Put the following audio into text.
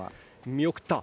見送った。